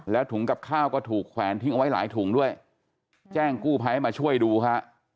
แล้วถุงกับข้าวก็ถูกแขวนทิ้งเอาไว้หลายถุงด้วยแจ้งกู้ภัยให้มาช่วยดูฮะ